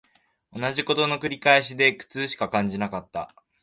同じ事の繰り返しで苦痛しか感じなかった